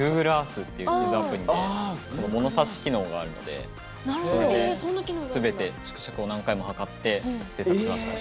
「ＧｏｏｇｌｅＥａｒｔｈ」っていう地図アプリで物差し機能があるのでそれで全て縮尺を何回も測って制作しました。